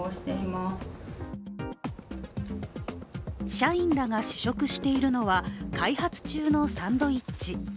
社員らが試食しているのは開発中のサンドイッチ。